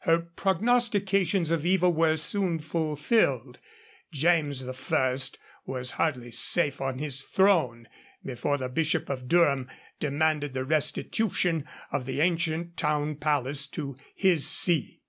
Her prognostications of evil were soon fulfilled. James I. was hardly safe on his throne before the Bishop of Durham demanded the restitution of the ancient town palace of his see.